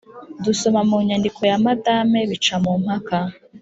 dusoma mu nyandiko ya madame bicamumpaka